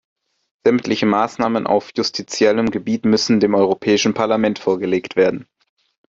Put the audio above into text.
Sämtliche Maßnahmen auf justitiellem Gebiet müssen dem Europäischen Parlament vorgelegt werden.